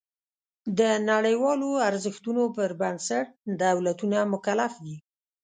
د نړیوالو ارزښتونو پر بنسټ دولتونه مکلف دي.